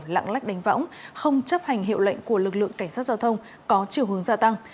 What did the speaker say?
lãch đánh võng không chấp hành hiệu lệnh của lực lượng cảnh sát giao thông có chiều hướng gia tăng